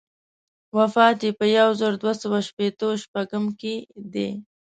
وفات یې په یو زر دوه سوه شپېته و شپږم کې دی.